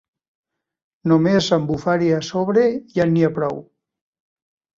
Només amb bufar-hi a sobre ja n'hi ha prou.